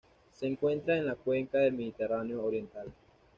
Se encuentra en la Cuenca del Mediterráneo oriental.